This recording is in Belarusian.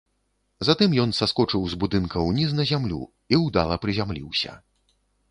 Затым ён саскочыў з будынка ўніз на зямлю і ўдала прызямліўся.